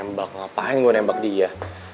nembak ngapain gue nembak dia